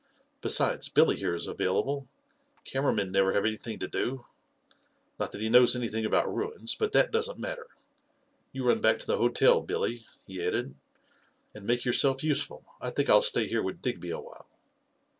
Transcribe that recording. Besides, Billy here is avail able — cameramen never have anything to dol Not that he knows anything about ruins, but that doesn't matter I You run back to the hotel, Billy," he added, " and make yourself useful. I think I'll stay here with Digby awhile."